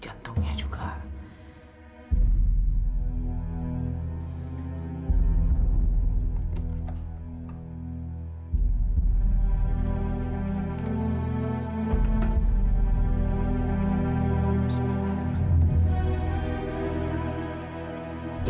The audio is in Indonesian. tolong dok waktunya sudah tidak banyak